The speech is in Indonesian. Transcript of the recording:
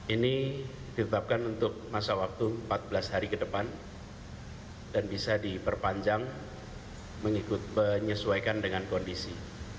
ini ditetapkan untuk masa waktu empat belas hari ke depan dan bisa diperpanjang mengikut penyesuaikan dengan kondisi